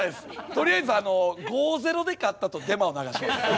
とりあえず５−０で勝ったとデマを流します。